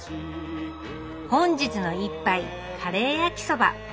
本日の一杯カレー焼きそば。